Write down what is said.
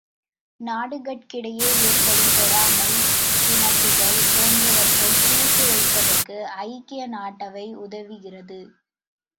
நாடுகட்கிடையே ஏற்படும் பொறாமை, பிணக்குகள் போன்றவற்றைத் தீர்த்து வைப்பதற்கு ஐக்கிய நாட்டவை உதவுகிறது.